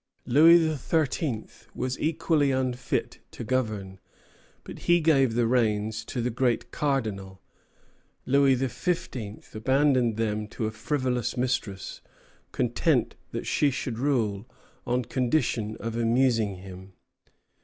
Louis XIII. was equally unfit to govern; but he gave the reins to the Great Cardinal. Louis XV. abandoned them to a frivolous mistress, content that she should rule on condition of amusing him.